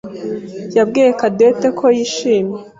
yabwiye Cadette ko yishimye.